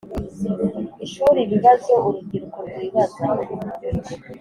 ishuri Ibibazo urubyiruko rwibaza